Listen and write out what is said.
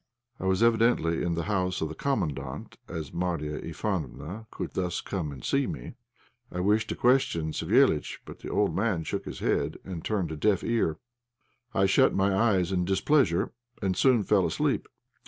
I was evidently in the house of the Commandant, as Marya Ivánofna could thus come and see me! I wished to question Savéliitch; but the old man shook his head and turned a deaf ear. I shut my eyes in displeasure, and soon fell asleep.